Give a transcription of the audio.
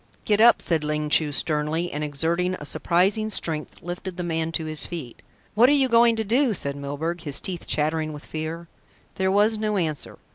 "Get up," said Ling Chu sternly, and, exerting a surprising strength, lifted the man to his feet. "What are you going to do?" said Milburgh, his teeth chattering with fear. There was no answer.